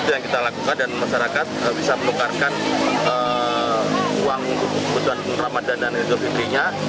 itu yang kita lakukan dan masyarakat bisa menukarkan uang untuk kebutuhan ramadan dan idul fitrinya